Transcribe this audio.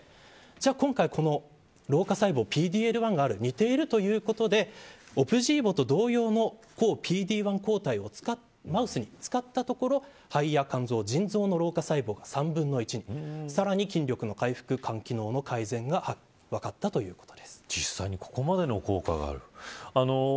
じゃあ今回、老化細胞ＰＤ‐Ｌ１が似ているということでオプジーボと同様のＰＤ‐１抗体をマウスに使ったところ肺や肝臓や腎臓の老化細胞が３分の１にさらに、筋力の回復や肝機能の改善が分かった実際にここまでの効果がある。